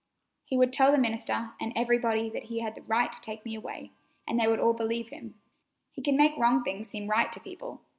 He would tell the minister and everybody that he had a right to take me away, and they would all believe him. He can make wrong things seem right to people.